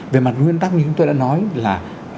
về mặt nguyên tắc như chúng tôi đã nói là